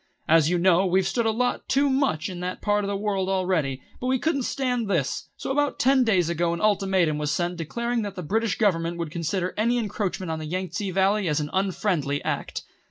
"As you know, we've stood a lot too much in that part of the world already, but we couldn't stand this; so about ten days ago an ultimatum was sent declaring that the British Government would consider any encroachment on the Yang tse Valley as an unfriendly act.